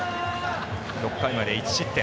６回まで１失点。